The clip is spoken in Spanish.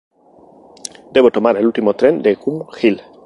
Debo tomar el último tren de Gun Hill.